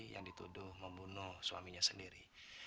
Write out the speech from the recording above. yang dituduh membunuh suaminya sendiri